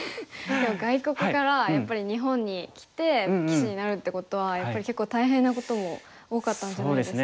外国からやっぱり日本に来て棋士になるってことはやっぱり結構大変なことも多かったんじゃないですか。